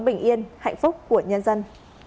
bình yên hạnh phúc của nhân dân